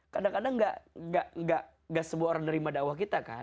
kadang kadang gak semua orang nerima dakwah kita kan